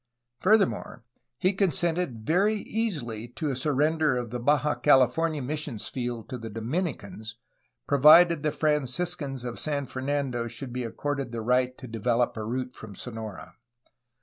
Fur thermore, he consented very easily to a surrender of the Baja California mission field to the Dominicans, provided the Franciscans of San Fernando should be accorded the right to develop a route from Sonora.